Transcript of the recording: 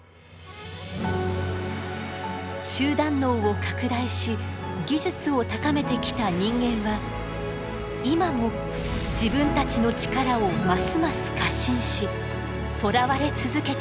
集団脳を拡大し技術を高めてきた人間は今も自分たちの力をますます過信しとらわれ続けているのか。